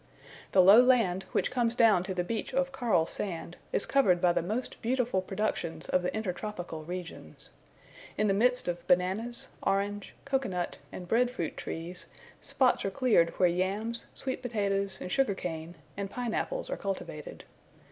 The low land which comes down to the beach of coral sand, is covered by the most beautiful productions of the intertropical regions. In the midst of bananas, orange, cocoa nut, and bread fruit trees, spots are cleared where yams, sweet potatoes, and sugar cane, and pine apples are cultivated.